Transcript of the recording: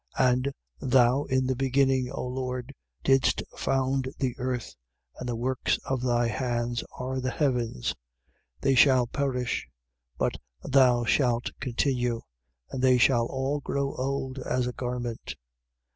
1:10. And: Thou in the beginning, O Lord, didst found the earth: and the works of thy hands are the heavens. 1:11. They shall perish: but thou shalt continue: and they shall all grow old as a garment.